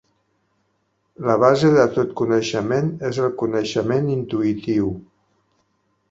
La base de tot coneixement és el coneixement intuïtiu.